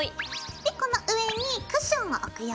でこの上にクッションを置くよ。